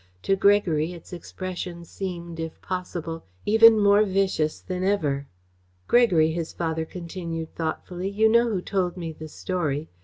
To Gregory, its expression seemed, if possible, even more vicious than ever. "Gregory," his father continued thoughtfully, "you know who told me the story.